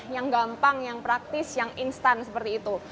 yang gampang yang praktis yang instan seperti itu